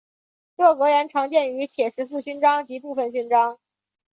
这个格言常见于铁十字勋章及部分勋章。